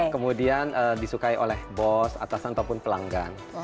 kemudian disukai oleh bos atasan ataupun pelanggan